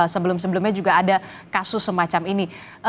sebelum sebelumnya juga ada kasus semacam ini